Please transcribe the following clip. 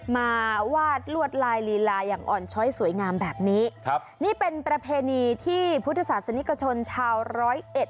มาวาดลวดลายลีลาอย่างอ่อนช้อยสวยงามแบบนี้ครับนี่เป็นประเพณีที่พุทธศาสนิกชนชาวร้อยเอ็ด